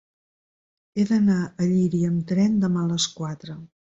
He d'anar a Llíria amb tren demà a les quatre.